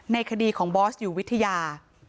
ในคดีของบอสอยู่วิทยา